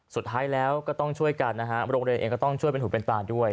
สุดท้ายแล้วก็ต้องช่วยกันนะฮะโรงเรียนเองก็ต้องช่วยเป็นหูเป็นตาด้วย